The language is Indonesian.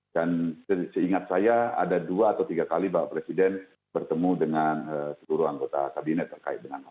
dan seingat saya ada dua atau tiga kali pak presiden bertemu dengan seluruh anggota kabinet terkait dengan hal ini